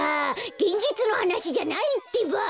げんじつのはなしじゃないってば！